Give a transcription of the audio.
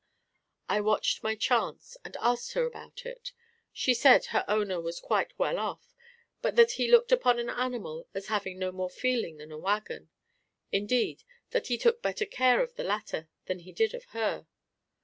I watched my chance, and asked her about it. She said her owner was quite well off, but that he looked upon an animal as having no more feeling than a wagon; indeed, that he took better care of the latter than he did of her.